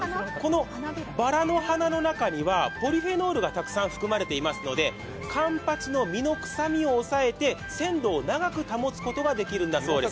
ばらの花の中にはポリフェノールがたくさん含まれているのでかんぱちの身の臭みを抑えて鮮度を長く保つことができるそうなんです。